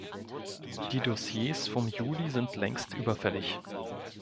Die Dossiers vom Juli sind längst überfällig.